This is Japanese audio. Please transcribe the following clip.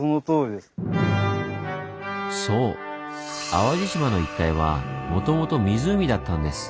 淡路島の一帯はもともと湖だったんです。